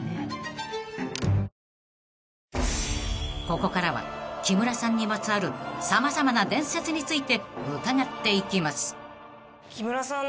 ［ここからは木村さんにまつわる様々な伝説について伺っていきます］